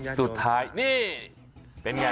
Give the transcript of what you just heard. สุดท้ายนี่เป็นไง